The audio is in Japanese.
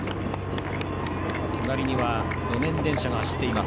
隣には路面電車が走っています。